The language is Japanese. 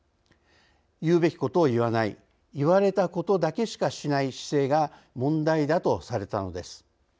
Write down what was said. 言うべきことを言わない言われたことだけしかしない姿勢が問題だとされたのです。